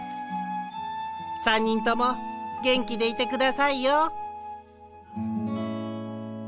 ３にんともげんきでいてくださいよ。